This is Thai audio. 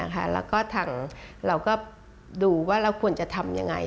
แล้วก็ทางเราก็ดูว่าเราควรจะทำยังไง